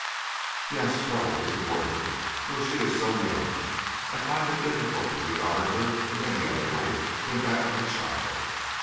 Yes; troubled is the word, though she is so young. I find it difficult to regard her in any other light than that of a child.